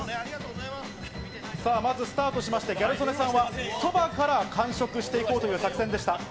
さあ、まずスタートしまして、ギャル曽根さんはそばから完食していこうという作戦でした。